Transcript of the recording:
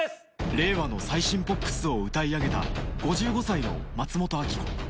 令和の最新ポップスを歌い上げた５５歳の松本明子